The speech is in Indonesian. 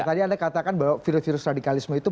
tadi anda katakan bahwa virus virus radikalisme itu